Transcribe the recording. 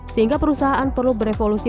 sehingga perusahaan perlu berevolusi